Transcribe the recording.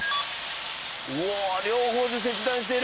うわ両方で切断してる！